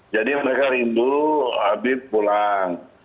jadi mereka rindu habib pulang